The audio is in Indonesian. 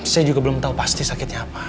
saya juga belum tahu pasti sakitnya apa